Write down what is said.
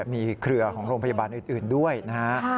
มีเครือของโรงพยาบาลอื่นด้วยนะฮะ